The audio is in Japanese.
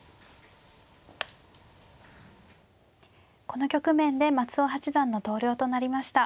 この局面で松尾八段の投了となりました。